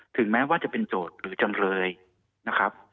ถึงแม้ว่าจะเป็นโจทย์หรือจำเลยนะครับ